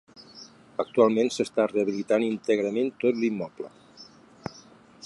Actualment s'està rehabilitant íntegrament tot l'immoble.